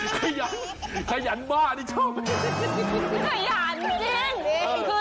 ขยันบ้าขยันบ้าพี่ชอบไม่ได้